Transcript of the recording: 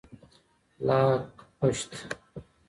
لاکپشت 🐢